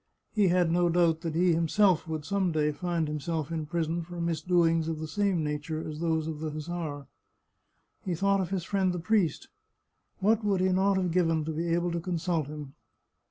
He had no doubt that he him self would some day find himself in prison for misdoings ot the same nature as those of the hussar. He thought of his friend the priest. What would he not have given to be able to consult him